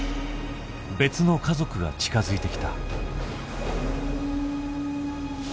別の家族が近づいてきた。